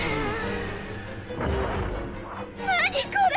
何これ！